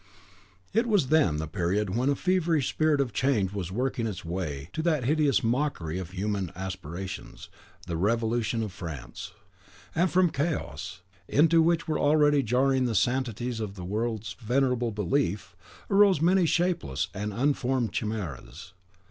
It was then the period when a feverish spirit of change was working its way to that hideous mockery of human aspirations, the Revolution of France; and from the chaos into which were already jarring the sanctities of the World's Venerable Belief, arose many shapeless and unformed chimeras.